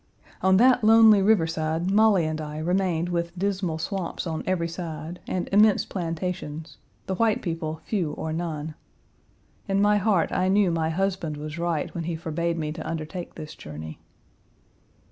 On that lonely riverside Molly and I remained with dismal swamps on every side, and immense plantations, the white people Page 221 few or none. In my heart I knew my husband was right when he forbade me to undertake this journey.